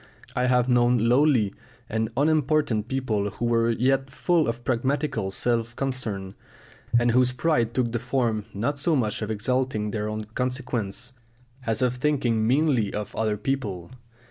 I have known lowly and unimportant people who were yet full of pragmatical self concern, and whose pride took the form not so much of exalting their own consequence as of thinking meanly of other people.